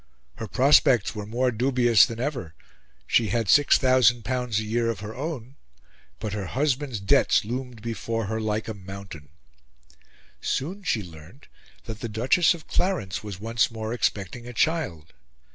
Her prospects were more dubious than ever. She had L6000 a year of her own; but her husband's debts loomed before her like a mountain. Soon she learnt that the Duchess of Clarence was once more expecting a child.